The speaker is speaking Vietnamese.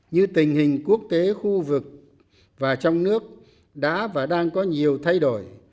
như tình hình quốc tế khu vực và trong nước đã và đang có nhiều thay đổi